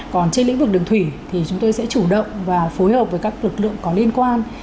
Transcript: còn trên lĩnh vực đường thủy thì chúng tôi sẽ chủ động và phối hợp với các lực lượng có liên quan